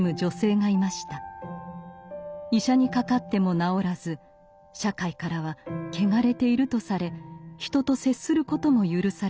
医者にかかっても治らず社会からは「けがれている」とされ人と接することも許されない。